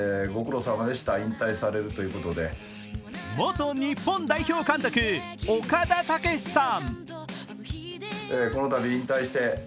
元日本代表監督、岡田武史さん。